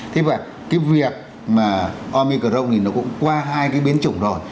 thế và cái việc mà omicron thì nó cũng qua hai cái biến chủng rồi